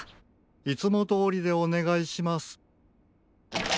いつもどおりでおねがいします。